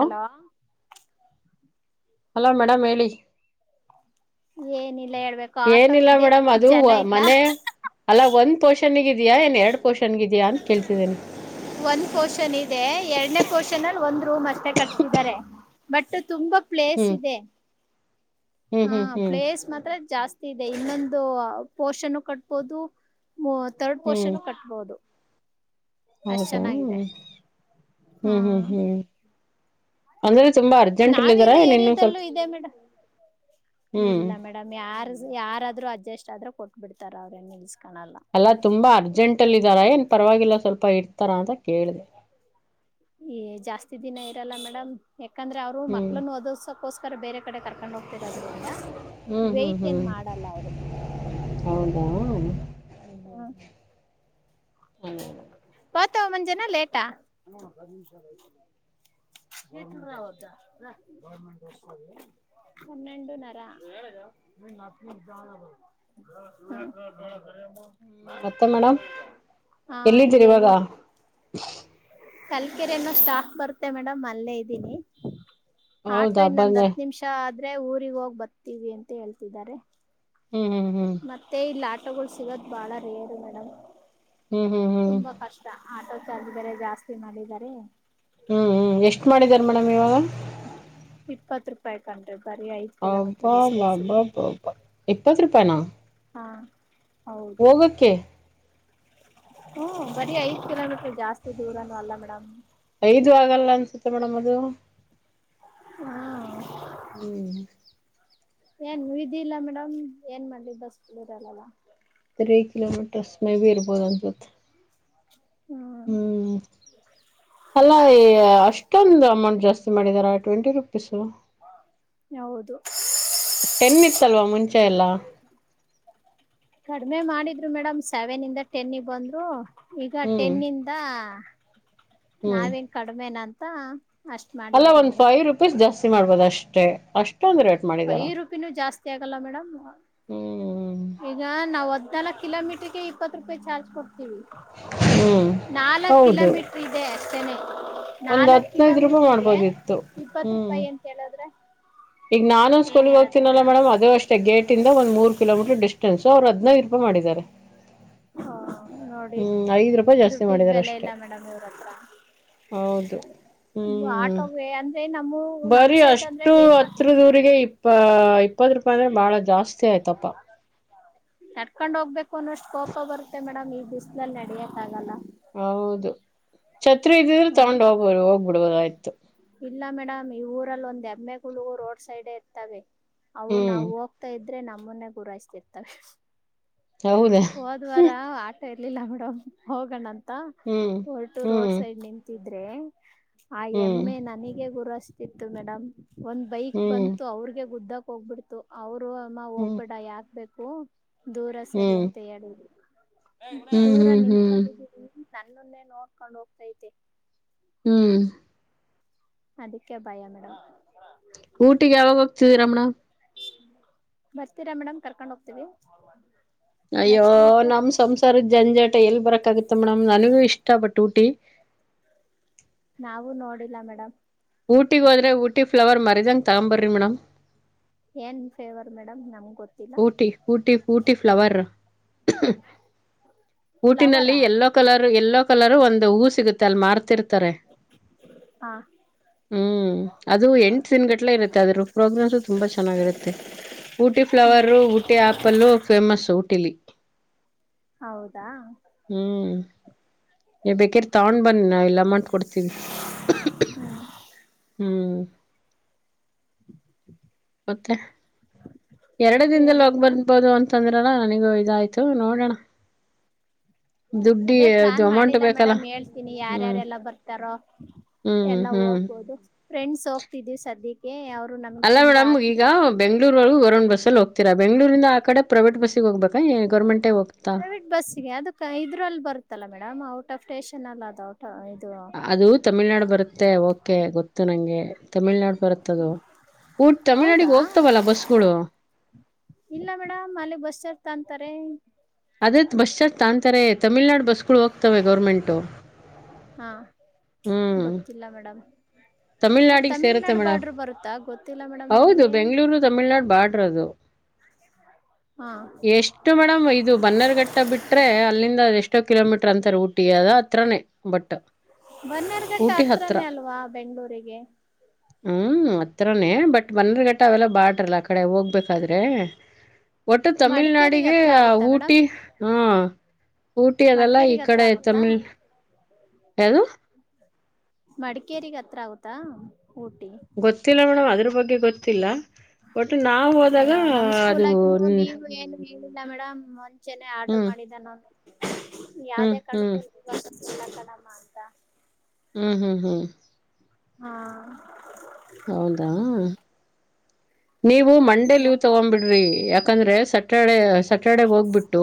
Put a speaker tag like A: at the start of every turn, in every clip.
A: Hello
B: hello madam ಹೇಳಿ.
A: ಏನಿಲ್ಲ ಹೇಳ್ಬೇಕು ಆಟೋ
B: ಏನಿಲ್ಲ
A: ಇದೆ
B: ಮೇಡಮ್ ಅದು
A: ಜನ ಇಲ್ಲ.
B: ಮನೆ ಅಲ್ಲ ಒಂದ್ ಪೋರ್ಷನಿಗ್ ಇದ್ಯಾ ಏನ್ ಎರಡ್ ಪೋರ್ಷನ್ಗ ಇದಯಾ ಅಂತ ಕೇಳ್ತಿದ್ದೇನಿ.
A: ಒಂದ್ ಪೊಷನ್ ಇದೆ ಎರಡ್ನೆ ಕೋಷನ್ಲ್ ಒಂದ್ ರೂಮ್ ಅಷ್ಟೆ ಕಟ್ಸಿದ್ದಾರೆ ಬಟ್ ತುಂಬಾ ಪ್ಲೇಸ್
B: ಹ್ಮ್
A: ಇದೆ.
B: ಹ್ಮ್
A: ಹಾ
B: ಹ್ಮ್ ಹ್ಮ್
A: ಪ್ಲೇಸ್ ಮಾತ್ರ ಜಾಸ್ತಿ ಇದೆ ಇನ್ನೊಂದು ಪೋರ್ಷನ್ ಕಟ್ಬೋದು. ಮೊ ತರ್ಡ್
B: ಹ್ಮ್
A: ಪೋರ್ಷನ್ನು ಕಟ್ಬೊದು. ಅಷ್ಟ್
B: ಹೌದಾ
A: ಚೆನ್ನಾಗಿದೆ ಹಾ.
B: ಹ್ಮ್ ಹ್ಮ್ ಹ್ಮ್ ಅಂದ್ರೆ ತುಂಬ ಅರ್
A: ನಾವಿರೋ ಏರಿಯಾದಲ್ಲೂ ಇದೆ ಮೇಡ,
B: ಹ್ಮ್
A: ಇಲ್ಲ ಮೇ ಡಮ್ ಯಾರ್ ಯಾರಾದ್ರರು ಅಡ್ಜಸ್ಟ್ ಆದ್ರೂ ಕೊಟ್ ಬಿಡ್ತಾರ ಅವ್ರೇನ್ ನಿಲ್ಸ್ಕಳಲ್ಲ.
B: ಅಲ್ಲ ತುಂಬಾ ಅರ್ಜೆಂಟ್ ಅಲ್ ಇದಾರ ಏನ್ ಪರವಾಗಿಲ್ಲ ಸ್ವಲ್ಪ ಇರ್ತಾರ ಅಂತ ಕೇಳ್ದೆ.
A: ಏ ಜಾಸ್ತಿ ದಿನ ಇರಲ್ಲ ಮೇಡಮ್. ಯಾಕಂದ್ರೆ ಅವ್ರು
B: ಹ್ಮ್
A: ಮಕ್ಳನ್ನು ಓದಸಕೋಸ್ಕರ ಬೇರೆ ಕಡೆ ಕರ್ಕೊಂಡ್ ಹೋಗ್ತಿರೋದ್ರಿಂದ.
B: ಹ್ಮ್ ಹ್ಮ್
A: ವೈಟ್ ಏನ್
B: ಹ್ಮ್
A: ಮಾಡಲ್ಲ ಅವ್ರು.
B: ಹೌದಾ
A: ತೆಯ.
B: ಪನಂಗ.
A: ಪತವ್ಮಂಜೇನಾ ಲೇಟಾ. [unintelligible] ಹನ್ನೆಂಡು ನರ [unintelligible] [unintelligible]
B: ಹ್ಮ್ ಮತ್ತೆ ಮೇಡಮ್
A: ಹಾ
B: ಎಲ್ಲಿದ್ದೀರಿ ಇವಾಗ.
A: ಕಲ್ಕೆರೆನ್ನ ಸ್ಟಾಪ್ ಬರುತ್ತೆ ಮೇಡಮ್ ಅಲ್ಲೇ ಇದ್ದೀನಿ. ಆಟೋ
B: ಹೌದಾ
A: ಇನ್ನೊಂದ್
B: ಬಂದೆ
A: ಹತ್ ನಿಮ್ಷ ಆದ್ರೆ ಊರಿಗ್ ಹೋಗ್ ಬರ್ತೀವಿ ಅಂತ ಹೇಳ್ತಿದ್ದಾರೆ.
B: ಹ್ಮ್ ಹ್ಮ್ ಹ್ಮ್.
A: ಮತ್ತೆ ಇಲ್ ಆಟೊಗಳ್ ಸಿಗೋದ್ ಬಾಳ ರೇರ್ ಮೇಡಂ
B: ಹ್ಮ್ ಹ್ಮ್ ಹ್ಮ್
A: ತುಂಬಾ ಕಷ್ ಟ ಆಟೋ ಚಾರ್ಜ್ ಬೇರೆ ಜಾಸ್ತಿ ಮಾಡಿದಾರೆ.
B: ಹ್ಞೂ ಹ್ಞೂ ಎಷ್ಟ ಮಾಡಿದ್ದಾರ್ ಮೇಡಮ್ ಇವಾಗ.
A: ಇಪ್ಪತ್ ರೂಪಾಯಿ ಕಂಣ್ರಿ ಬರಿ ಐ
B: ಹಬಬ್ಬ್ಬಬ ಇಪ್ಪತ್ತು ರೂಪಾಯಿನ?
A: ಹಾ ಹೌದು
B: ಹೋಗಕ್ಕೆ
A: ಹ್ಮ್ ಬರಿ ಐದ್ ಕಿಲೋ ಮೀಟರ್ ಜಾಸ್ತಿ ದೂರನು ಅಲ್ಲ ಮೇಡಮ್.
B: ಐದು ಆಗಲ್ಲ ಅನ್ಸುತ್ತೆ ಮೇಡಮ್ ಅದು.
A: ಹ್ಮ [unintelligible]
B: ಹ್ಮ್
A: ಏನ್ ವಿಧಿ ಇಲ್ಲ ಮೇಡಮ್ ಏನ್ ಮಾಡ್ಲಿ ಬಸ್ ಇರಲ್ಲಲ್ಲ.
B: ತ್ರೀ ಕಿಲೋಮೀಟರ್ಸ್ ಮೈ ಬಿ ಇರ್ಬೋದ್ ಅನ್ಸುತ್ತೆ.
A: ಹ್ಮ
B: ಹ್ಮ್ ಅಲ್ಲ ಅಷ್ಟೊಂದು ಅಮೌಂಟ್ ಜಾಸ್ತಿ ಮಾಡಿದಾರ ಟ್ವೆಂಟಿ ರುಪೀಸು
A: ಹೌದು
B: ಟೆನ್ ಇತ್ತಲ್ವಾ
A: [unintelligible]
B: ಮುಂಚೆ ಎಲ್ಲ
A: ಕಡಿಮೆ ಮಾಡಿದ್ರು ಮೇಡಮ್ ಸೆವೆನ್ ಇಂದ ಟೆನ್ನಿಗ್ ಬಂದು ಈಗ
B: ಹ್ಮ್
A: ಟೆನ್ ಇಂದ
B: ಹ್ಮ್
A: ನಾವೇನ್ ಕಡಿಮೆನಂತ
B: ಅಲ್ಲ ಒಂದ್ ಫೈವ್ ರುಪೀಸ್ ಜಾಸ್ತಿ ಮಾಡ್ಬೋದು ಅಷ್ಟೇ ಅಷ್ಟೊಂದ ರೇಟ್ ಮಾಡಿದಾರ
A: ಫೈವ್ ರುಪಿನೂ ಜಾಸ್ತಿ ಆಗಲ್ಲ ಮೇಡಮ್.
B: ಹ್ಮ
A: ಈಗ ನಾವು ಹದಿನಾಲ್ಕು ಕಿಲೋ ಮೀಟರ್ಗೆ ಇಪ್ಪತ್ತು ರೂಪಾಯಿ ಚಾರ್ಜ್
B: ಹ್ಮ್
A: [unintelligible] ನಾಲ್ಕ್
B: ಹೌದು
A: ಕಿಲೋಮೀಟರ್ ಇದೆ ಅಷ್ಟನೆೇ.
B: ಒಂದ್
A: ನಾಲ್ಕ್
B: ಹದ್ನೈದು ರೂಪಾಯಿ
A: ಕಿಲೋಮೀಟ್ರಗೆ
B: ಮಾಡ್ಬೋದಿತ್ತು
A: ಇಪ್ಪತ್
B: ಹ್ಮ್
A: ರೂಪಾಯಿ ಎಂತ ಹೇಳದ್ರೆ.
B: ಈಗ ನಾನು ಸ್ಕೂಲ್ಗೆ ಹೋಗ್ತೀನಲ್ಲ ಮಡಮ್ ಅದು ಅಷ್ಟೇ ಗೇಟ್ [unintelligible] ಒಂದ ಮೂರು ಕಿಲೋಮೀಟರ್ ಡಿಸ್ಟೆನ್ಸ್ ಅವ್ರು ಹದಿನೈದು ರೂಪಾಯಿ ಮಾಡಿದ್ದಾರೆ.
A: ಹ ನೋಡಿ
B: ಹ್ಮ್ ಐದ್ ರೂಪಾಯಿ ಜಾಸ್ತಿ
A: ದುಡ್ಡಿಗ್
B: ಮಾಡಿದಾರ
A: ಬೆಲೆ
B: ಅಷ್ಟೆ.
A: ಇಲ್ಲ ಮೇಡಮ್ ಇವ್ರ ಹತ್ರ
B: ಹೌದು ಹ್ಮ್
A: ಆಟೋಗೆ ಅಂದ್ರೆ ನಮ್ಮ ನಮ್
B: ಬರಿ
A: ಸೈಡ್ ಅಂದ್ರೆ
B: ಅಷ್ಟು
A: ವೇಕ
B: ಹತ್ರ ದೂರಿಗೆ ಇಪ್ಪ ಇಪ್ಪತ್ತು ರೂಪಾಯಿ ಅಂದ್ರೆ ಬಾಳ ಜಾಸ್ತಿ ಆಯ್ತಪ್ಪ
A: ನಡ್ಕೊಂಡ್ ಹೋಗ್ಬೇಕು ಅನ್ನೋಷ್ಟ್ ಕೋಪ ಬರುತ್ತೆ ಮೇಡಮ್ ಈ ಬಿಸ್ಲಲ್ಲಿ ನಡಿಯಕ್ ಆಗಲ್ಲ.
B: ಹೌದು ಛತ್ರಿ ಇದ್ದಿದ್ರೆ
A: ಹ್ಮ್
B: ತಗೊಂಡ್ ಹೋಗ್ಬದು ಹೋಗ್ಬಿಡ್ಬೋದಗಿಯ್ತು
A: ಇಲ್ಲ ಮೇಡಮ್ ಈ ಊರಲ್ಲಿ ಒಂದ್ ಎಮ್ಮೆ ಗುಳು ರೋಡ್ ಸೈಡ್ ಇರ್ತವೆ ಅವು
B: ಹ್ಮ್
A: ನಾವ ಹೋಗ್ತಾ ಇದ್ರೆ ನಮ್ಮನ್ನೆ ಗುರಾಯಸ್ತಿರ್ತವೆ.
B: ಹೌದಾ
A: ಹೋದ್ ವಾರ ಆಟೋ ಇರ್ಲಿಲ್ಲ ಮೇಡಮ್ ಹೋಗೋಣ ಅಂತ
B: ಹ್ಮ್
A: ಹೊಲ್ಟು ರೋಡ್
B: ಹ್ಮ್
A: ಸೈಡ್ ನಿಂತಿದ್ರೆ ಆ
B: ಹ್ಮ್
A: ಎಮ್ಮೆ ನನಗ ಗುರಾಸ್ ಇತ್ತು ಮೇಡಮ್ ಒಂದ್ ಬೈಕ್
B: ಹ್ಮ್ ಹ್ಮ್
A: ಬಂತು ಅವ್ರಗೆ ಗುದ್ದಕ್ ಹೋಗ್ಬಿಡ್ತು. ಅವರು ಅಮ್ಮ
B: ಹ್ಮ್
A: ಹೋಗ್ಬೇಡ ಯಾಕ್ಬೇಕು ದೂರ ಸರಿ
B: ಹ್ಮ್
A: ಅಂತ ಹೇಳಿದ್ರು. ದೂರ
B: ಹ್ಮ್ ಹ್ಮ್
A: ನಿಂತ್ಕೊಂಡಿದ್ದೀನಿ ನನ್ನನ್ನೇ ನೋಡ್ಕೊಂಡ್ ಹೋಗ್ತೈತೆ.
B: ಹ್ಮ್
A: ಅದಕ್ಕೆ ಭಯ ಮೇಡಮ್.
B: ಊಟಿಗೆ ಯಾವಾಗ ಹೋಗ್ತಿದ್ದೀರಾ ಮಡ್ಮ?
A: ಬರ್ತೀರಾ ಮೇಡಮ್ ಕರ್ಕೊಂಡ್ ಹೋಗ್ತೀವಿ?
B: ಅಯ್ಯೋ
A: ನೆಕ್ಸ್ಟ್ ವೀಕು
B: ನಮ್ಮ್ ಸಂಸಾರದ ಜಂಜಾಟ ಎಲ್ಲಿ ಬರಕಾಗುತ್ತೆ ಮೇಡಮ್ ನನಗೂ ಇಷ್ಟ ಬಟ್ ಊಟಿ
A: ನಾವು ನೋಡಿಲ್ಲ ಮೇಡಮ್.
B: ಊಟಿಗ್ ಹೋದ್ರೆ ಊಟಿ ಫ್ಲವರ್ ಮರಿದಂಗ ತಗೊಂಬರ್ರಿ ಮೇಡಮ್.
A: ಏನ್ ಫೇವರ್ ಮೇಡಮ್ ನಮ್ ಗೊತ್ತ
B: ಊಟಿ ಊಟಿ ಊಟಿ ಫ್ಲವರ್ ಊಟಿನಲ್ಲಿ
A: ಫ್ಲವರಾ
B: ಎಲ್ಲ ಕಲರು ಎಲ್ಲೋ ಕಲರು ಒಂದು ಹೂ ಸಿಗುತ್ತೆ ಅಲ್ ಮಾರ್ತಿರ್ತಾರೆ
A: ಹಾ
B: ಹ್ಮ್ ಅದು ಎಂಟ್ದಿನ್ಗಟ್ಲೆ ಇರುತ್ತೆ ಅದ್ರು ಪ್ರೋಗ್ರಾಮ್ಸು ತುಂಬಾ ಚೆನ್ನಾಗಿರುತ್ತೆ. Ooty flower Ooty apple famous ಊಟಿಲಿ.
A: ಹೌದಾ?
B: ಹ್ಮ್ ನೀವ್ ಬೇಕಿರ್ ತಗೊಂಡ್ ಬನ್ನಿ ನಾ ಇಲ್ಲಿ ಅಮೌಂಟ್ ಕೊಡ್ತೀನಿ. ಹ್ಮ್
A: ಹ [inaudible]
B: ಮತ್ತೆ ಎರಡು ದಿನದಲ್ಲ್
A: ಏನು
B: ಹೋಗ್
A: ಇಲ್ಲ
B: ಬರ್ಬೋದು ಅಂತಂದ್ರಲ ನನಗೂ ಇದಾಯ್ತು ನೋಡೋಣ. ದುಡ್ಡಿ
A: ಅದೇ
B: ಅದು
A: ಪ್ಲಾನ್
B: ಅಮೌಂಟ್
A: ಮಾಡಿಲ್ಲಾ
B: ಬೇಕಲ್ಲ
A: ಮೇಡಮ್ ಹೇಳ್ತೀನಿ
B: ಹ್ಮ್
A: ಯಾರ್ಯಾರೆಲ್ಲ ಬರ್ತಾರೋ
B: ಹ್ಮ್
A: ಎಲ್ಲ
B: ಹ್ಮ್
A: ಹೋಗ್ಬೋದು ಫ್ರೆಂಡ್ಸ್ ಹೋಗ್ತಿದೀವ್ ಸದ್ಯಕ್ಕೆ, ಅವ್ರು ನಮಗ್ ತುಂಬಾ ಆತ್ಮೀಯರು.
B: ಬೆಂಗ್ಳೂರೊರ್ಗೂ ವರುಣ್ ಬಸ್ಸಲ್ ಹೋಗ್ತೀರಾ ಬೆಂಗಳೂರಿಂದ ಆ ಕಡೆ ಪ್ರೈವೇಟ್ ಬಸ್ಸಿಗ್ ಹೋಗ್ಬೇಕು.
A: ಪ್ರೈವಿಟ್ ಬಸ್ಸಿಗೆ ಅದ ಆ ಇದ್ರಲ್ಲಿ ಬರುತ್ತಲ್ಲಾ ಮೇಡಮ್ ಔಟ್ ಆಫ್ ಸ್ಟೇಷನ್ ಅಲ್ಲ ಅದು ಔಟ್ ಇದು
B: ಅದು ತಮಿಳ್ನಾಡು ಬರುತ್ತೆ ಓಕೆ ಗೊತ್ತು ನನಗೆ. ತಮಿಳ್ನಾಡ್ ಬರುತ್ತದು ಊಟ್ ತಮಿಳ್ನಾಡಿಗೆ
A: ಹೌದಾ
B: ಹೋಗ್ತವಲ್ಲ ಬಸ್ಗಳು.
A: ಇಲ್ಲ ಮೇಡಮ್ ಅಲ್ಲಿ ಬಸ್ ಚಾರ್ಜ್ ತೋಂತಾರೆ.
B: ಅದೇ ಬಸ್ ಚಾರ್ಜ್ ತಾಂತಾರೆ ತಮಿಳ್ನಾಡು ಬಸ್ಗಳು ಹೋಗ್ತವೆ ಗೌರ್ಮೆಂಟು.
A: ಹಾ
B: ಹ್ಮ್
A: ಗೊತ್ತಿಲ್ಲ ಮೇಡಮ್. ಅದ್
B: ತಮಿಳ್ನಾಡಿಗೆ ಸೇರುತ್ತೆ
A: ತಮಿಳ್ನಾಡು
B: ಮೇಡಮ್
A: ಬಾರ್ಡ್ರ್ ಬರುತ್ತಾ ಗೊತ್ತಿಲ್ಲ ಮೇಡಮ್ ನನಗೆ.
B: ತಮಿಳನಾಡ್ ಬಾರ್ಡ್ರ್ ಅದು
A: ಹಾ
B: ಎಷ್ಟ್ ಇಷ್ಟು ಮೇಡಮ್ ಇದು ಬನ್ನರ್ಘಟ್ಟ ಬಿಟ್ರೆ ಅಲ್ಲಿಂದ ಎಷ್ಟೋ ಕಿಲೋಮೀಟರ್ ಅಂತಾರೆ ಊಟಿ ಅದ ಹತ್ರನೇ. ಬಟ್
A: ಬನ್ನೇರ್ಘಟ್ಟ
B: ಊಟಿ ಹತ್ರ
A: ಹತ್ರನೇ ಅಲ್ವಾ ಬೆಂಗಳೂರಿಗೆ.
B: ಹ್ಮ್ ಅತ್ರಾನೇ ಬಟ್ ಬನ್ನರ್ಘಟ್ಟ ಅವೆಲ್ಲ ಬಾಡ್ರಲ್ಲ ಆ ಕಡೆ ಹೋಗ್ಬೇಕಾದ್ರೆ. ಒಟ್ಟು
A: ಮಡಿಕೇರಿಗೆ
B: ತಮಿಳ್ನಾಡಿಗೆ
A: ಹತ್ರ ಆಗುತ್ತಾ ಮೇಡಮ್
B: ಊಟಿ ಹಾ. ಊಟಿ ಅದೆಲ್ಲ
A: ಮಡಿಕೇಗ್
B: ಈ
A: ಹತ್ರ
B: ಕಡೆ
A: ಆಗುತ್ತಾ
B: ತಮಿಳ್, ಯಾದು?
A: ಮಡಿಕೇರಿಗ್ ಹತ್ರ ಆಗುತ್ತಾ ಊಟಿ?
B: ಗೊತ್ತಿಲ್ಲ ಮೇಡಮ್ ಅದ್ರ್ ಬಗ್ಗೆ ಗೊತ್ತಿಲ್ಲ ಬಟ್ ನಾವು ಹೋದಾಗ
A: ಅಯ್ಯೋ ನಮ್
B: ಅದು
A: ಸ್ಕೂಲಾಗ ಇನ್ನು ಲೀವ್ ಏನು ಹೇಳಿಲ್ಲ ಮೇಡಮ್ ಮುಂಚೆನೆ ಆರ್ಡ್ರ
B: ಹ್ಮ್
A: ಮಾಡಿದ್ದಾನ ಅವು.
B: ಹ್ಮ್
A: ಯಾವ್ದೇ ಕಾರ್ಣ್ಕು
B: ಹ್ಮ್
A: [unintelligible] ಕಣಮ್ಮ ಅಂತ.
B: ಹ್ಮ್ ಹ್ಮ್ ಹ್ಮ್
A: ಹ್ಮ
B: ಹೌದಾ? ನೀವು ಮಂಡೇ ಲೀವ್ ತಗೊಂಬಿಡ್ರಿ ಯಾಕಂದ್ರೆ ಸಾಟರ್ಡೆ ಸಾಟರ್ಡೆ ಹೋಗ್ಬಿಟ್ಟು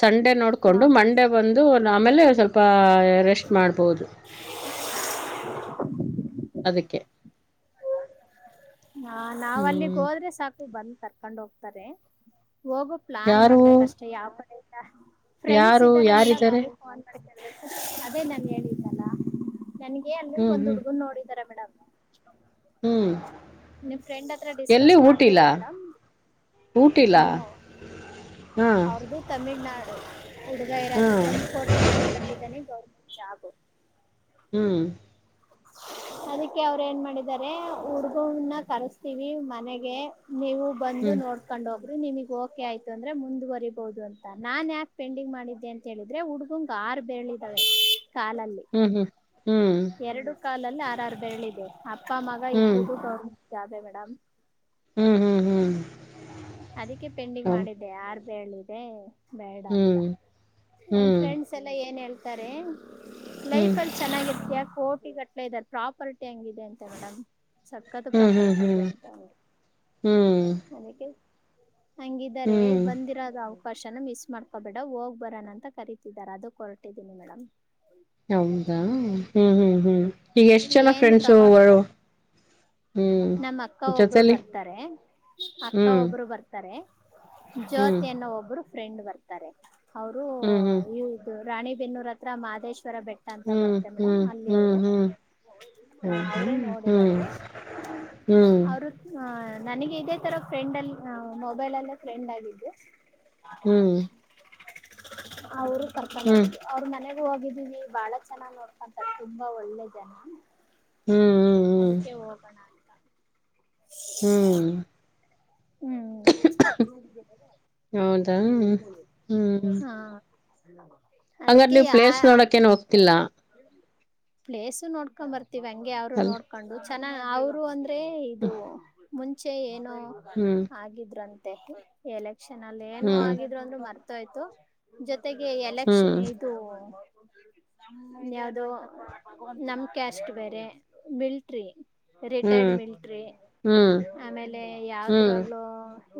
B: ಸಂಡೆ
A: ಹ
B: ನೋಡ್ಕೊಂಡು ಮಂಡೆ ಬಂದು ಆಮೇಲೆ ಸ್ವಲ್ಪ ರೆಸ್ಟ್ ಮಾಡ್ಬೋದು.
A: ಹ [inaudible]
B: ಅದಕ್ಕೆ.
A: ಹಾ ನಾವ್ ಅಲ್ಲಿಗ್
B: ಹ್ಮ್
A: ಹೋದ್ರೆ ಸಾಕು ಬಂದ್ ಕರ್ಕೊಂಡ್ ಹೋಗ್ತಾರೆ ಹೋಗಕ್ ಪ್ಲಾನ್
B: ಯಾರು
A: ಮಾಡ್ಬೇಕಷ್ಟೇ ಯಾವ ಕಡೆ ಇಲ್ಲ ಫ್ರೆಂಡ್ಸ್
B: ಯಾರು
A: ಇದ್ದಾರೆ ಮೇಡಮ್
B: ಯಾರಿದ್ದಾರೆ
A: ಅವ್ರ ಫೋನ್ ಮಾಡ್, ಅದೇ ನಾನು ಹೇಳಿದ್ದಲ್ಲ ನನಗೆ ಅಂದ್ರೆ
B: ಹ್ಮ್
A: ಒಂದು
B: ಹ್ಮ್
A: ಹುಡುಗನ್ ನೋಡಿದ್ದಾರೆ ಮೇಡಮ್.
B: ಹ್ಮ್
A: ನಿಮ್ ಫ್ರೆಂಡ್ ಹತ್ರ
B: ಎಲ್ಲಿ
A: ಡಿಸ್ಕಸ್
B: ಊಟಿಲ್ಲ
A: ಮಾಡ್ಬೇಡಿ ಮೇಡಮ್ ಹ.
B: ಹ್ಮ
A: ತಮಿಳ್ನಾಡು ಹುಡುಗ ಇರೋದು ಒಂದು ಕೋಟಿ ಮನಿ ಕಟ್ಟಿದ್ದಾನೆ ಗೋರ್ಮೆಂಟ್ ಜಾಬು
B: ಹ್ಮ್
A: [unintelligible] ಅದಕ್ಕೆ ಅವರು ಏನ್ ಮಾಡಿದ್ದಾರೆ ಹುಡುಗನ್ನ ಕರೆಸ್ತೀವಿ ಮನೆಗೆ ನೀವು ಬಂದು
B: ಹ್ಮ್
A: ನೋಡ್ ಕೋಂಡ್ ಹೋಗರೀ ನಿಮಗ್ ಓಕೆ ಆಯ್ತು ಅಂದ್ರೆ ಮುಂದುವರಿಬಹುದು ಅಂತ ನಾನ್ ಯಾಕ ಪೆಂಡಿಂಗ್ ಮಾಡಿದ್ದೆ ಅಂದ್ರೆ ಅಂತೇಳಿದ್ರೆ ಹುಡ್ಗಂಗ ಆರ್ ಬೆರಳದಾವೆ ಕಾಲಲ್ಲಿ
B: ಹ್ಮ್ ಹ್ಮ್ ಹ್ಮ್
A: ಎರಡು ಕಾಲಲ್ಲಿ ಆರಾರು ಬೆರಳಿದೆ ಅಪ್ಪ ಮಗ
B: ಹ್ಮ್
A: ಇಬ್ರುದ ಗೋರ್ಮೆಂಟ್ ಜಾಬೆ ಮೇಡಮ್
B: ಹ್ಮ್ ಹ್ಮ್ ಹ್ಮ್
A: ಅದಕ್ಕೆ ಪೆಂಡಿಂಗ್
B: ಹೌ
A: ಮಾಡಿದ್ದೆ ಆರ ಬೇರಳಿದೆ ಬೇಡ ಅಂತ
B: ಹ್ಮ್
A: ನನ್ ಫ್ರೆಂಡ್ಸ್
B: ಹ್ಮ್
A: ಫ್ರೆಂಡ್ಸ್ ಎಲ್ಲಾ ಏನ್ ಹೇಳ್ತಾರೆ
B: ಹ್ಮ್
A: ಲೈಫ್ ಅಲ್ಲಿ ಚೆನ್ನಾಗಿರತೀಯಾ ಕೋಟಿ ಕಟ್ಲ ಇದಾರೆ ಪ್ರಾಪರ್ಟಿ ಹಂಗಿದೆ ಅಂತ ಮೇಡಮ್ ಸಕ್ಕತ್
B: ಹ್ಮ್ ಹ್ಮ್
A: ಪ್ರಾಪರ್ಟಿ ಇದೆ
B: ಹ್ಮ್
A: ಅಂತ
B: ಹ್ಮ್
A: ಅದಕೆ ನನಗೆ
B: ಹ್ಮ್
A: ಹಂಗಿದಿದ್ದಾರೆ
B: ಹ್ಮ್
A: ಬಂದಿರೋದ ಪರ್ಷನ ಮಿಸ್ ಮಾಡ್ಕೊಬೇಡ ಹೋಗ್ ಬರೋನ ಅಂತ ಕರಿತಿದ್ದಾರೆ ಅದುಕ ಹೊರಟಿದ್ದೀನಿ ಮೇಡಮ್
B: ಹೌದಾ ಹ್ಮ್ ಹ್ಮ್ ಹ್ಮ್ ಈಗ ಎಷ್ಟ್ ಜನ
A: ಏನು ತಗೊಂಡಿಲ್ಲ
B: ಫ್ರೆಂಡ್ಸುಗಳು
A: ನಮ್ಮ ಅಕ್ಕ ಒಬ್ರು ಬರ್ತಾರೆ ಅಕ್ಕ
B: ಹ್ಮ್
A: ಒಬ್ರು ಬರ್ತಾರೆ
B: ಹ್ಮ್
A: ಜ್ಯೋತಿ ಅನ್ನೋ ಒಬ್ಬರು ಫ್ರೆಂಡ್ ಬರ್ತಾರೆ ಅವರು
B: ಹ್ಮ್ ಹ್ಮ್
A: ಇದು ರಾಣಿಬೆನ್ನೂರ ಹತ್ರ ಮಾದೇಶ್ವರ ಬೆಟ್ಟ ಅಂತ ಬರ್ತ್ತೆ ಮೇಡಮ್
B: ಹ್ಮ್ ಹ್ಮ್
A: ಅಲ್ಲಿ ಅವರು
B: ಹ್ಮ್ ಹ್ಮ್ ಹ
A: ಅವರೇ
B: ಹ್ಮ್
A: ನೋಡಿರೋದು
B: ಹ್ಮ್
A: ಹ ನನಗೆ ಇದೇ ತರ ಫ್ರೆಂಡ್ ಲ್ಲೇ ಮೊಬೈಲ್ ಲ್ಲೇ ಫ್ರೆಂಡ್ ಆಗಿದ್ದು
B: ಹ್ಮ್
A: ಅವರು ಕರ್ಕೊಂಡ
B: ಹ್ಮ್ ಹ್ಮ್ ಹ್ಮ್
A: ಹೋಗಿದ್ದು ಅವ್ರ ಮನೆಗೂ ಹೋಗಿದ್ದೀವಿ ಬಾಳ ಚೆನ್ನಾಗ್ ನೋಡ್ಕೊಂತರ್ತಿ ತುಂಬಾ ಒಳ್ಳೆ ಜನಾ
B: ಹ್ಮ್ ಹ್ಮ
A: ಅದಿಕೆ ಹೋಗೋಣ ಅಂತಾ
B: ಹ್ಮ್
A: ಹ್ಮ್
B: ಹೌದಾ ಹ್ಮ್
A: ಹಾ
B: ಹಂಗಾರ
A: ಅದಕ್ಕೆ
B: ನೀವ್
A: ಯಾ
B: ಪ್ಲೇಸ್ ನೋಡಕೇನ್ ಹೋಗ್ತಿಲ್ಲ
A: ಪ್ಲೇಸ ನೋಡ್ಕೊಂಡ್ ಬರ್ತವಿ ಹಂಗೆ ಅವರು
B: ಅಲ್
A: ನೋಡ್ಕೊಂಡು ಚೆನ್ನ ಅವರು ಒಂದು ಮತ್ತೆ ಇದು ಮುಂಚೆ ಏನು
B: ಹ್ಮ್
A: ಆಗಿದ್ರುಂತೆ ಎಲೆಕ್ಷನ್ ಅಲ್ಲಿ ಏನು
B: ಹ್ಮ್
A: ಆಗಿದ್ರು ಅಂದ್ರು ಮರ್ತೋಯ್ತು ಜೊತೆಗೆ
B: ಹ್ಮ್
A: ಎಲೆಕ್ಷನ್ ಇದು ಯಾವ್ದೋ ನಮ್ ಕ್ಯಾಸ್ಟ್ ಬೇರೆ ಮಿಲ್ಟ್ರಿ
B: ಹ್ಮ್
A: ರಿಟೈರ್ಡ್ ಮಿಲ್ಟ್ರಿ
B: ಹ್ಮ್
A: ಆಮೇಲೆ ಯಾವ್ದ
B: ಹ್ಮ್ ಹ್ಮ್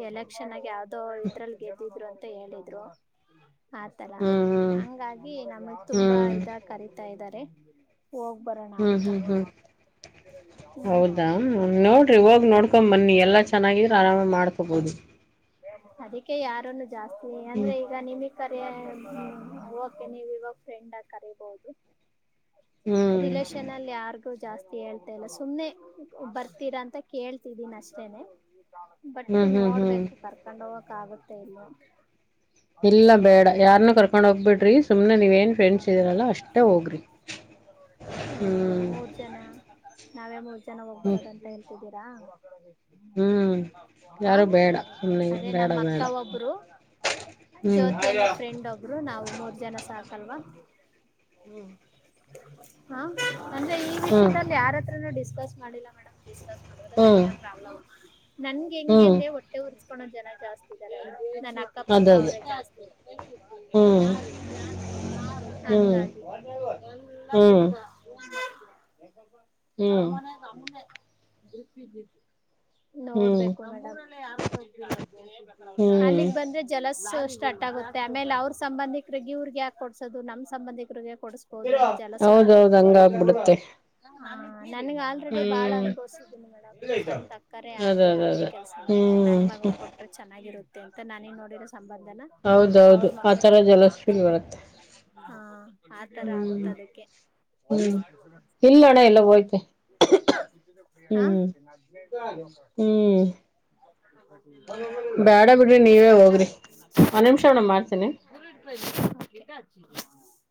A: ಎಲೆಕ್ಷನ್ ಆಗ ಯಾವ್ದೋ ಇದ್ರಲ್ಲಿ ಗೆದ್ದಿದ್ರು ಅಂತ ಹೇಳಿದ್ರು ಆತರಾ
B: ಹ್ಮ್
A: ಹಂಗಾಗಿ ನಮಗ್ ತುಂಬಾ
B: ಹ್ಮ್ ಹ್ಮ್
A: ಇದಾಗ ಕರಿತಾ ಇದ್ದಾರೆ ಹೋಗ್ ಬರೋಣ
B: ಹ್ಮ್ ಹ್ಮ್
A: ಆಂತಾ
B: ಹ್ಮ್ ಹ್ಮ್
A: ಇಗ
B: ಹೌದಾ ನೋಡ್ರಿ ಹೋಗ್ ನೋಡ್ಕೊ್ ಬನ್ನಿ ಎಲ್ಲಾ ಚೆನ್ನಾಗಿ ಆರಾಮಾಗಿ ಮಾಡ್ಕೋಬಹುದು
A: ಅದಕ್ಕೆ ಯಾರನ್ನು ಜಾಸ್ತಿ
B: ಹ್ಮ್
A: ಅಂದ್ರೆ ಈಗ ನಿಮಗ್ ಕರಿ ಓಕೆ ನೀವು ಇವಾಗ್ ಫ್ರೆಂಡ್ ಆಗ್ ಕರಿಬೊದು.
B: ಹ್ಮ್
A: ರಿಲೇಷನ್ ಅಲ್ ಯಾರ್ ಜಾಸ್ತಿ ಹೇಳ್ತಾ ಇಲ್ಲ ಸುಮ್ನೆ ಬರ್ತೀರಾ ಅಂತ ಕೇಳ್ತಿದೀನಿ ಅಷ್ಟೇನೆ. ಬಟ್
B: ಹ್ಮ್ ಹ್ಮ್ ಹ್ಮ್
A: ನೋಡ್ಬೇಕು ಕರ್ಕೊಂಡ್ ಹೋಗಕ್ ಆಗುತ್ತ ಇಲ್ವ ಅಂತ.
B: ಇಲ್ಲ ಬೇಡ ಯಾರ್ನ್ನು ಕರ್ಕೊಂಡ್ ಹೋಗ್ಬಿಡ್ರಿ ಸುಮ್ನೆ ನೀವ್ ಏನ್ ಫ್ರೆಂಡ್ಸ್ ಇದರಲ್ಲ ಅಷ್ಟೇ ಹೋಗ್ರಿ
A: ಹ
B: ಹ್ಞ.
A: ಮೂರ್ ಜನ ನಾವೇ ಮೂರ್ ಜನ ಹೋಗ್
B: ಹ್ಮ್
A: ಬರೋದಂತ ಹೇಳ್ತಿದ್ದೀರಾ.
B: ಹ್ಮ್
A: ಹ
B: ಯಾರು ಬೇಡ ಸುಮ್ನೆ
A: ಅದೇ
B: ಬೇಡ
A: ನಮ್ ಅಕ್ಕ
B: ಬೇಡ
A: ಒಬ್ರು.
B: ಹ್ಮ್
A: ಜ್ಯೋತಿ ಅನ್ನೋ ಫ್ರೆಂಡ್ ಒಬ್ರು ನಾವು ಮೂರ್ ಜನ ಸಾಕಲ್ವಾ.
B: ಹ್ಮ
A: ಹ ಅಂದ್ರೆ ಈ
B: ಹ್ಮ್
A: ವಿಷಯದಲ್ಲಿ ಯಾರತ್ರನು ಡಿಸ್ಕಸ್ ಮಾಡಿಲ್ಲ ಮೇಡಂ. ಡಿಸ್ಕಸ್ ಮಾಡುದ್ರೆ
B: ಹ್ಮ್
A: ಸುಮ್ನೆ ಪ್ರಾಬ್ಲಮು ನಂಗೆ ಹೆಂಗ್
B: ಹ್ಮ್
A: ಅಂದ್ರೆ ವಟ್ ಹೂಟ್ಟೆ ಹುರ್ಸ್ಕೊನೊ ಜನ ಜಾಸ್ತ ಇದರೆ, ನಾನ್ ಏ ಅಕ್ಕ ಪಕ್ಕ
B: ಅದದು
A: ಅವ್ರೆ ಜಾಸ್ತಿ.
B: ಹ್ಮ್ ಹ್ಮ್
A: ಹಂಗಾಗಿ.
B: ಹ್ಮ್ ಹ್ಞೂ ಹ್ಮ್
A: ನೋಡ್ಬೇಕು ಮೇಡಂ. [unintelligible]
B: ಹ್ಮ್
A: ಅಲ್ಲಿಗ್ ಬಂದ್ರೆ ಜಲಸು ಸ್ಟಾರ್ಟ್ ಆಗುತ್ತೆ ಆಮೇಲೆ ಅವ್ರ ಸಂಬಂಧಿಕ್ರಿಗ್ ಇವ್ರ್ಗ್ ಯಾಕ್ ಕೊಡ್ಸೋದು ನಮ್ ಸಂಬಂಧಿಕರಿಗೆ ಕೊಡ್ಸ್ಬೋದು ಅನ್ನೋ ಜಲಸು
B: ಹೌದೌದ್
A: ಬರ್ಬೋದು
B: ಹಂಗ ಆಗ್ಬಿಡುತ್ತೆ.
A: ಹ ನನ್ಗ ಅಲ್ ಡೆ ಬಾಳ
B: ಹ್ಮ್
A: ಅನುಭವ್ಸಿದ್ದೀನಿ ಮೇಡಂ ಸಂತ ಅಕ್ಕರೆ
B: ಅದ
A: ಅದೇ
B: ಅದ
A: ಅದೇ
B: ಅದ
A: ಕೆಲ್ಸ ಮಾಡಿಲ್ಲ
B: ಹ್ಮ್
A: ನನ್ ಮಗ ಕೊ ಚೆನ್ನಾಗಿರುತ್ತೆ ಅಂತ ನನಿಗ್ ನೋಡಿರೋ ಸಂಬಂಧನ
B: ಹೌದೌದು
A: ಅವ್ರ
B: ಆ
A: ಮಗಳ
B: ತರ ಜಲಸ್ಫೀಲ್ ಬರುತ್ತೆ.
A: ಹಾ ಆತರ
B: ಹ್ಮ್
A: ಆಗುತ್ ಅದಕ್ಕೆ.
B: ಹ್ಮ್ ಇಲ್ಲ ಅಣ್ಣ ಎಲ್ಲ ಹೋಯ್ತೆ
A: ಹಾ
B: ಹ್ಮ್ ಹ್ಮ್. ಬ್ಯಾಡ ಬಿಡ್ರಿ ನೀವೇ
A: ಮತ್ತೆ
B: ಹೋಗ್ರಿ
A: ಮೇಡಂ.
B: ಒಂದ್ ನಿಮಿಷ ಅಣ್ಣ ಮಾಡ್ತೀನಿ
A: [unintelligible]